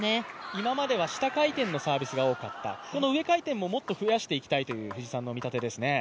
今までは下回転のサービスが多かった、この上回転ももっと増やしていきたいという藤井さんの見立てですね。